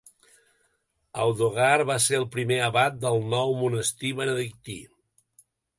Audogar va ser el primer abat del nou monestir benedictí.